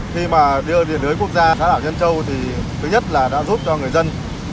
khi mà đưa điện lưới quốc gia xã đảo nhân châu thì thứ nhất là đã giúp cho người dân